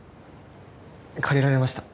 借りられました。